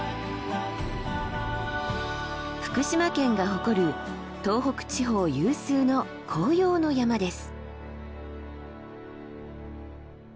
福島県が誇る東北地方有数の紅葉の山です。